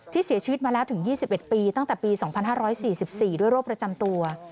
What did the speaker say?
เสียชีวิตมาแล้วถึง๒๑ปีตั้งแต่ปี๒๕๔๔ด้วยโรคประจำตัว